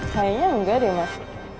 kayaknya enggak deh mas